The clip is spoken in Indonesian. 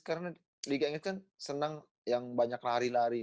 karena liga inggris kan senang yang banyak lari lari